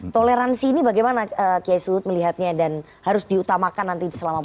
toleransi ini bagaimana kiai suud melihatnya dan harus diutamakan nanti selama bulan ramadan